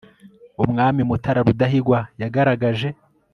umwami mutara rudahigwa yagaragaje